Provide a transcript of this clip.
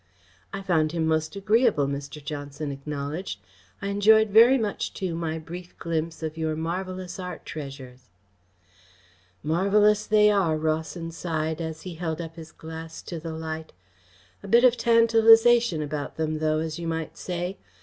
"I found him most agreeable," Mr. Johnson acknowledged. "I enjoyed very much, too, my brief glimpse of your marvellous art treasures." "Marvellous they are," Rawson sighed, as he held up his glass to the light. "A bit of tantalisation about them, though, as you might say.